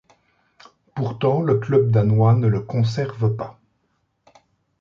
Pourtant le club danois ne le conserve pas.